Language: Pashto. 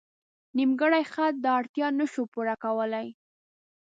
نیمګړی خط دا اړتیا نه شو پوره کولی.